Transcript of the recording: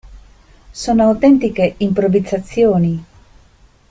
Sono autentiche improvvisazioni.